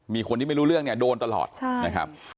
มีคนที่ไม่รู้เรื่องเนี่ยโดนตลอดนะครับ